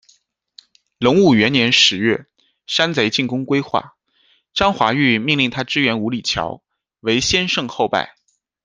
隆武元年十月，山贼进攻归化，张华玉命令他支援五里桥，唯先胜后败。